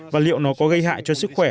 và liệu nó có gây hại cho sức khỏe